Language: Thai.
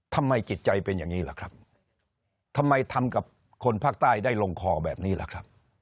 ทำไมจิตใจเป็นอย่างนี้ล่ะครับทำไมทำกับคนภาคใต้ได้ลงคอแบบนี้ล่ะครับ